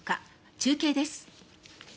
中継です。